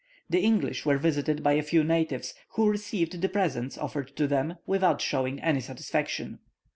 The English were visited by a few natives, who received the presents offered to them, without showing any satisfaction.